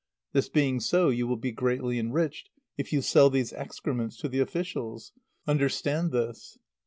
This being so, you will be greatly enriched if you sell these excrements to the officials. Understand this!"